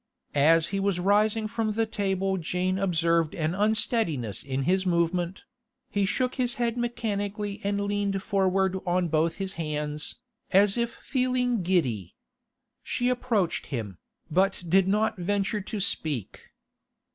As he was rising from the table Jane observed an unsteadiness in his movement; he shook his head mechanically and leaned forward on both his hands, as if feeling giddy. She approached him, but did not venture to speak.